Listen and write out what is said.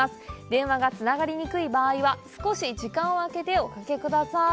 電話がつながりにくい場合は少し時間をあけておかけください。